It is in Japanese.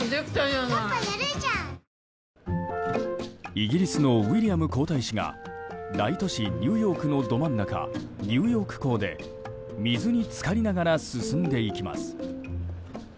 イギリスのウィリアム皇太子が大都市ニューヨークのど真ん中ニューヨーク港で水に浸かりながら進んでいきます。